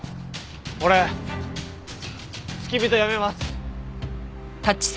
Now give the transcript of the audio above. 俺付き人辞めます。